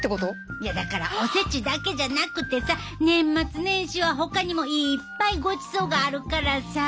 いやだからおせちだけじゃなくてさ年末年始はほかにもいっぱいごちそうがあるからさあ。